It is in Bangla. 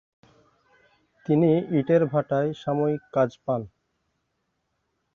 তিনি ইটের ভাটায় সাময়িক কাজ পান।